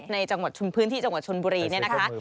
ในพื้นที่จังหวัดชนบุรีนี่นะคะ